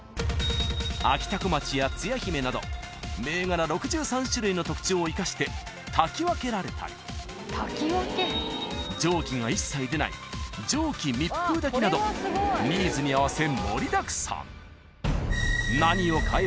［あきたこまちやつや姫など銘柄６３種類の特徴を生かして炊き分けられたり蒸気が一切出ない蒸気密封炊きなどニーズに合わせ盛りだくさん］